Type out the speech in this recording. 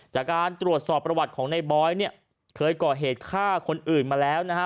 จากการตรวจสอบประวัติของในบอยเนี่ยเคยก่อเหตุฆ่าคนอื่นมาแล้วนะฮะ